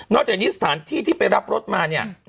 จากนี้สถานที่ที่ไปรับรถมาเนี่ย